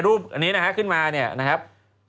รูปอันนี้นะฮะขึ้นมาเนี่ยนะครับ